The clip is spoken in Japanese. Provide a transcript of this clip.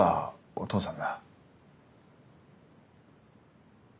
お父さん。